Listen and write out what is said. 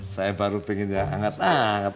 saya baru pengennya hangat hangat